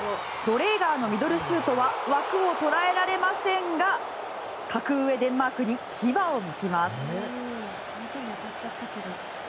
ドレーガーのミドルシュートは枠を捉えられませんが格上デンマークに牙をむきます。